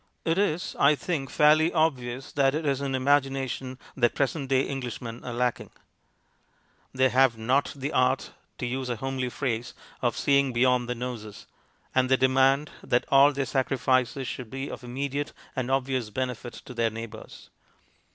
It is, I think, fairly obvious that it is in imagination that present day English men are lacking ; they have not the art to use a homely phrase of seeing beyond their noses, and they demand that all their sacri fices should be of immediate and obvious benefit to their neighbours.